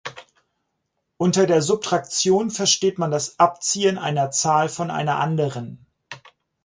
Unter der Subtraktion versteht man das Abziehen einer Zahl von einer anderen.